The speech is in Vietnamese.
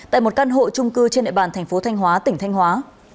tại một căn hộ trung cư trên nệ bàn tp thanh hóa tỉnh thanh hóa